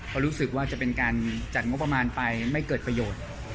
เพราะรู้สึกว่าจะเป็นการจัดงบประมาณไปไม่เกิดประโยชน์